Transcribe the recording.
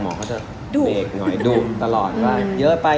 เขาจะเด็กหน่อยดุตลอดฟะเยอะไป